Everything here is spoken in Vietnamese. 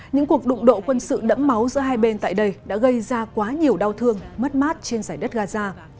những cuộc đụng độ quân sự đẫm máu giữa hai bên tại đây đã gây ra quá nhiều đau thương mất mát trên giải đất gaza